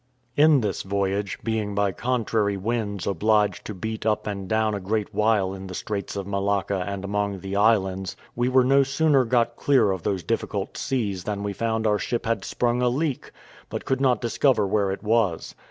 In this voyage, being by contrary winds obliged to beat up and down a great while in the Straits of Malacca and among the islands, we were no sooner got clear of those difficult seas than we found our ship had sprung a leak, but could not discover where it was.